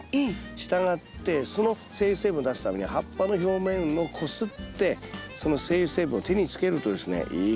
したがってその精油成分を出すためには葉っぱの表面をこすってその精油成分を手につけるとですねいい香りが持続しますよ。